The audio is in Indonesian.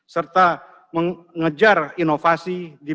serta mengejar inovasi di bidang energi baru